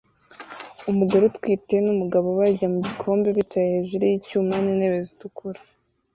Umugore utwite n'umugabo barya mu gikombe bicaye hejuru y'icyuma n'intebe zitukura